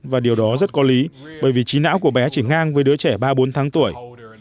và điều đó rất có lý bởi vì trí não của bé chỉ ngang với đứa trẻ ba mươi bốn tháng tuổi